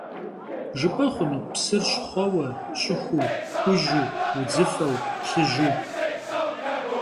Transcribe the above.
Jjıp'e xhunu psır şxhueue, ş'ıxuu, xuju, vudzıfeu, plhıju?